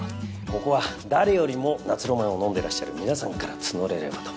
ここは誰よりも夏浪漫を飲んでらっしゃる皆さんから募れればと。